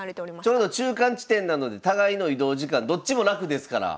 ちょうど中間地点なので互いの移動時間どっちも楽ですから。